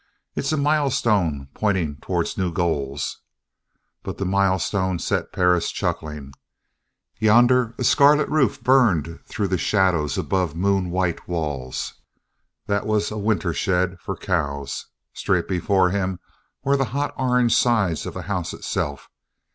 "It's a milestone pointing towards new goals." But the milestone set Perris chuckling. Yonder a scarlet roof burned through the shadows above moonwhite walls that was a winter shed for cows. Straight before him were the hot orange sides of the house itself.